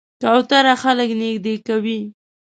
کوتره خلک نږدې کوي.